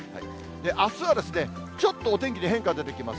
あすはちょっとお天気に変化が出てきます。